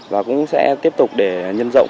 và cũng sẽ tiếp tục để nhân rộng